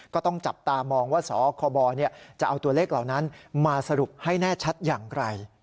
ก็ต้องจับตามองว่าสคบจะเอาตัวเลขเหล่านั้นมาสรุปให้แน่ชัดอย่างไร